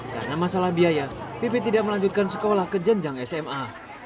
karena masalah biaya pipit tidak melanjutkan sekolah ke jenjang sma